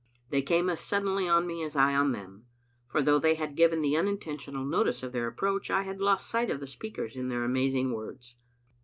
They came as suddenly on me as I on them, for though they had given unintentional notice of their approach, I had lost sight of the speakers in their amaz ing words.